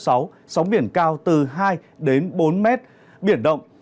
sóng biển cao từ hai bốn mét biển đông